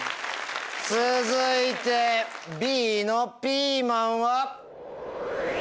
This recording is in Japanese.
続いてＢの「ピーマン」は。